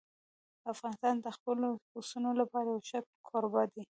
افغانستان د خپلو پسونو لپاره یو ښه کوربه دی.